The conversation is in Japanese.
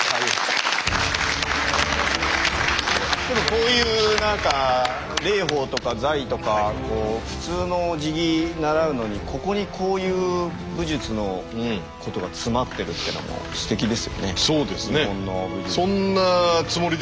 こういう何か礼法とか座位とか普通のおじぎ習うのにここにこういう武術のことが詰まっているっていうのがすてきですよね。